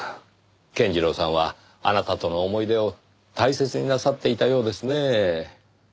健次郎さんはあなたとの思い出を大切になさっていたようですねぇ。